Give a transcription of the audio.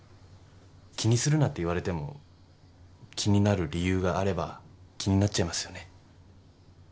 気にするなって言われても気になる理由があれば気になっちゃいますよね。